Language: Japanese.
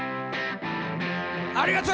ありがとう！